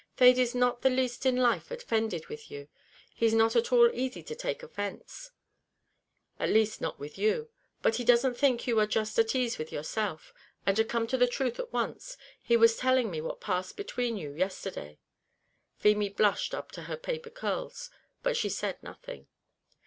Thady's not the least in life offended with you; he's not at all easy to take offence, at least not with you; but he doesn't think you are just at ease with yourself; and to come to the truth at once, he was telling me what passed between you yesterday." Feemy blushed up to her paper curls, but she said nothing.